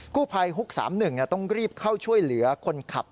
กู้ภัยฮุก๓๑ต้องรีบเข้าช่วยเหลือคนขับ